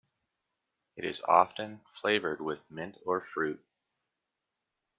It is often flavored with mint or fruit.